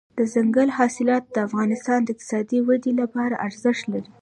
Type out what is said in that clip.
دځنګل حاصلات د افغانستان د اقتصادي ودې لپاره ارزښت لري.